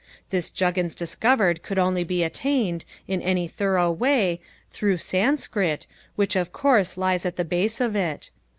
This Juggins discovered could only be obtained, in any thorough way, through Sanskrit, which of course lies at the base of it.